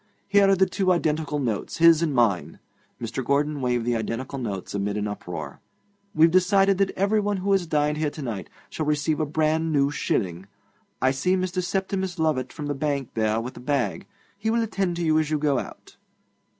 Here are the two identical notes, his and mine.' Mr. Gordon waved the identical notes amid an uproar. 'We've decided that everyone who has dined here to night shall receive a brand new shilling. I see Mr. Septimus Lovatt from the bank there with a bag. He will attend to you as you go out.